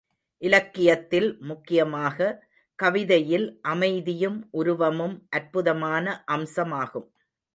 இலக்கியத்தில், முக்கியமாக, கவிதையில் அமைதியும் உருவமும் அற்புதமான அம்சமாகும்.